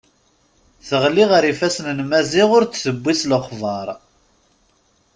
Teɣli ɣer yifassen n Maziɣ ur d-tewwi s lexber.